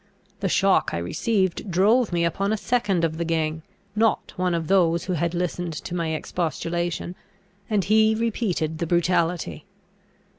The shock I received drove me upon a second of the gang, not one of those who had listened to my expostulation; and he repeated the brutality.